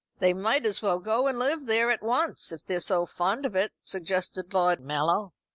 "They might as well go and live there at once, if they're so fond of it," suggested Lord Mallon.